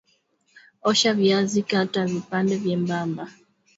Osha viazi kata vipande vyembamba